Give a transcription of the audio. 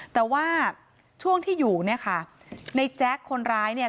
แต่ว่าช่วงที่อยู่เนี่ยค่ะในแจ๊คคนร้ายเนี่ย